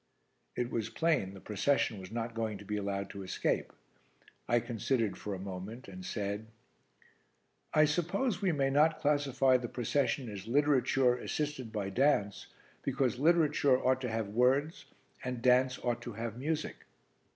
It was plain the procession was not going to be allowed to escape. I considered for a moment and said "I suppose we may not classify the procession as literature assisted by dance, because literature ought to have words and dance ought to have music."